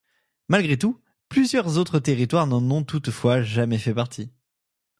Malgré tout, plusieurs autres territoires n'en ont toutefois jamais fait partie.